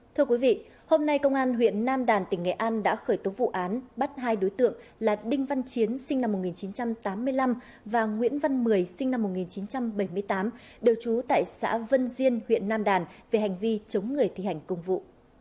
thưa quý vị hôm nay công an huyện nam đàn tỉnh nghệ an đã khởi tố vụ án bắt hai đối tượng là đinh văn chiến sinh năm một nghìn chín trăm tám mươi năm và nguyễn văn mười sinh năm một nghìn chín trăm bảy mươi tám đều trú tại xã vân diên huyện nam đàn về hành vi chống người thi hành công vụ